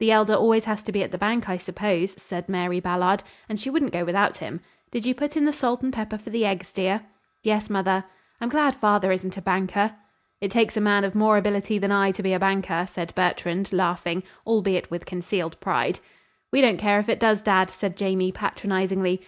"The Elder always has to be at the bank, I suppose," said Mary Ballard, "and she wouldn't go without him. Did you put in the salt and pepper for the eggs, dear?" "Yes, mother. I'm glad father isn't a banker." "It takes a man of more ability than I to be a banker," said Bertrand, laughing, albeit with concealed pride. "We don't care if it does, Dad," said Jamie, patronizingly.